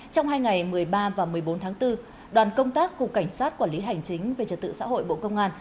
trong hai ngày một mươi ba và một mươi bốn tháng bốn đoàn công tác cục cảnh sát quản lý hành chính về trật tự xã hội bộ công an